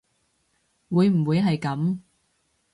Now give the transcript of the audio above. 會唔會係噉